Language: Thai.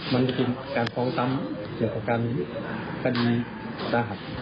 มันก็เป็นการฟ้องตั้งเกี่ยวกับการคดีซ่าหัด